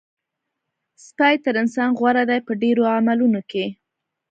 سپی تر انسان غوره دی په ډېرو عملونو کې.